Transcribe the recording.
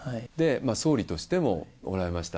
総理としてもおられました。